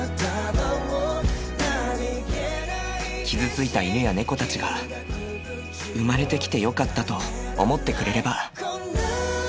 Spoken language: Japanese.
傷ついた犬や猫たちが生まれてきてよかったと思ってくれれば。